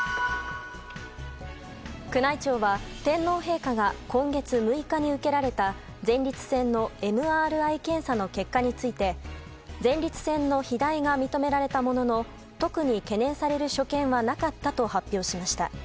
宮内庁は天皇陛下が今月６日に受けられた前立腺のＭＲＩ検査の結果について前立腺の肥大が認められたものの特に懸念される所見はなかったと発表しました。